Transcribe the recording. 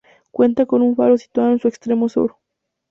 Cuenta con un faro situado en su extremo sur.